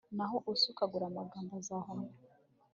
naho usukagura amagambo azarohama